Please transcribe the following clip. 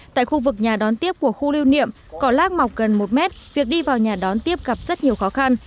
tại khu vực nhà đón tiếp của khu lưu niệm cỏ lác mọc gần một mét việc đi vào nhà đón tiếp gặp rất nhiều khó khăn